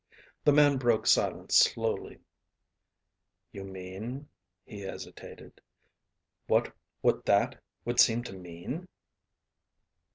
The man broke silence slowly. "You mean," he hesitated, "what that would seem to mean?"